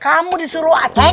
kamu disuruh acaing